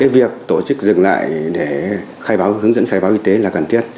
việc tổ chức dừng lại để hướng dẫn khai báo y tế là cần thiết